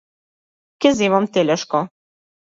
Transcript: Ќе земам телешко.